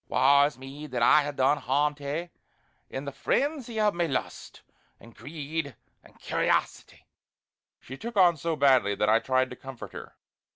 Wae is me! that I ha' done harm to a' in the frenzy o' my lust, and greed, and curiosity!" She took on so badly that I tried to comfort her.